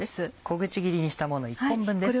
小口切りにしたもの１本分です。